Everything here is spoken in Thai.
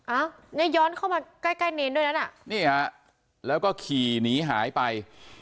อ้าวเนี่ยย้อนเข้ามาใกล้ใกล้เนรด้วยนั้นอ่ะนี่ฮะแล้วก็ขี่หนีหายไป